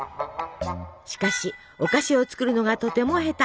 しかしお菓子を作るのがとても下手。